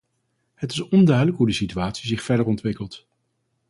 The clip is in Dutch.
Het is onduidelijk hoe de situatie zich verder ontwikkelt.